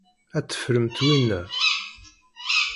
Ad teffremt winna.